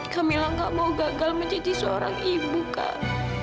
kamilah gak mau gagal menjadi seorang ibu kak